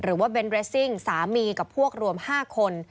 หรือว่าเบนท์เรสซิ่งสามีกับพวกรวม๕คน